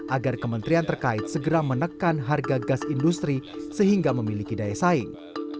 agar kementerian terkait segera menekan harga gas industri sehingga memiliki daya saing